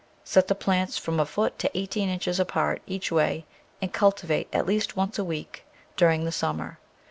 Set the plants from a foot to eighteen inches apart each way and cultivate at least once a week during the summer.